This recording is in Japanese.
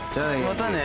またね。